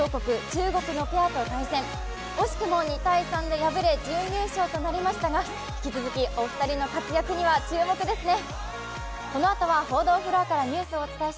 中国のペアと対戦惜しくも２−３と敗れ準優勝となりましたが、引き続きお二人の活躍には注目ですね。